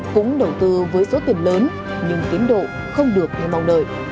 cũng đầu tư với số tiền lớn nhưng tiến độ không được như mong đợi